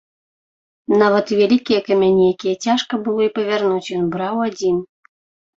Нават і вялікія камяні, якія цяжка было і павярнуць, ён браў адзін.